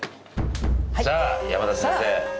じゃあ山田先生。